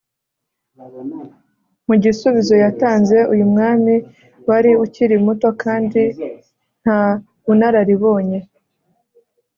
mu gisubizo yatanze, uyu mwami wari ukiri muto kandi nta bunararibonye